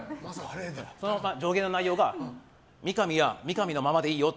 その助言の内容が三上は三上のままでいいよと。